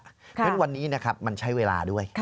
เพราะฉะนั้นวันนี้นะครับมันใช้เวลาด้วย